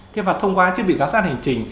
thế và thông qua thiết bị giám sát hành trình